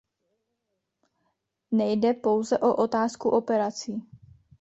Nejde pouze o otázku operací.